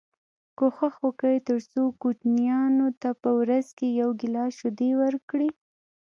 کوښښ وکړئ تر څو کوچنیانو ته په ورځ کي یو ګیلاس شیدې ورکړی